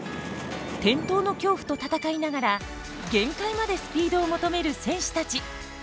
転倒の恐怖と戦いながら限界までスピードを求める選手たち。